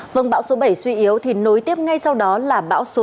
vâng bão số bảy suy yếu thì nối tiếp ngay sau đó là bão số sáu